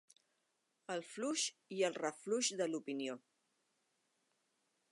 El flux i el reflux de l'opinió.